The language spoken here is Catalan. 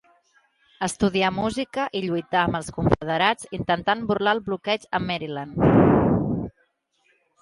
Estudià música i lluità amb els confederats intentant burlar el bloqueig a Maryland.